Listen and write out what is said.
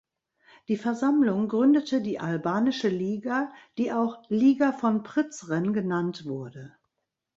Die Versammlung gründete die "Albanische Liga", die auch "Liga von Prizren" genannt wurde.